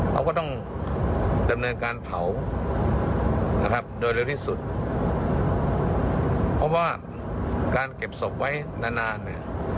เขาก็ต้องดำเนินการเผานะครับโดยเร็วที่สุดเพราะว่าการเก็บศพไว้นานนานเนี่ย